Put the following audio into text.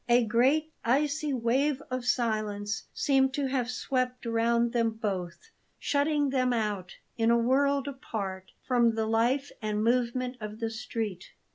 A great icy wave of silence seemed to have swept round them both, shutting them out, in a world apart, from the life and movement of the street.